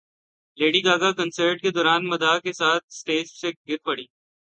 lady Gaga concert کے دوران مداح کے ساتھ اسٹیج سے گر پڑیں